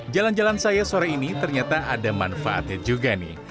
jalan jalan saya sore ini ternyata ada manfaatnya juga nih